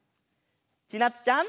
ちなつちゃん。